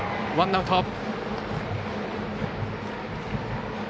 ワンアウト。